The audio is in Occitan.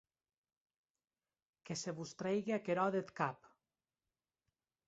Que se vos trèigue aquerò deth cap.